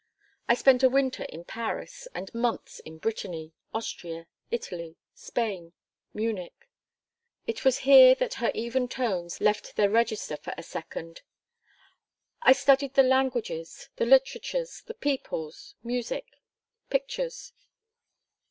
I spent a winter in Paris, and months in Brittany, Austria, Italy, Spain Munich." It was here that her even tones left their register for a second. "I studied the languages, the literatures, the peoples, music, pictures.